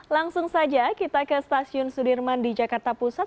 langsung saja kita ke stasiun sudirman di jakarta pusat